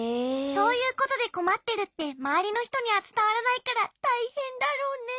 そういうことでこまってるってまわりのひとにはつたわらないからたいへんだろうね。